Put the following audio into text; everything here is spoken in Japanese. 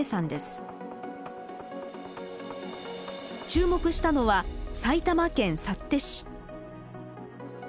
注目したのは埼玉県幸手市。